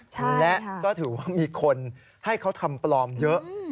และก็ถือว่ามีคนให้เขาทำปลอมเยอะ